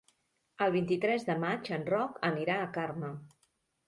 El vint-i-tres de maig en Roc anirà a Carme.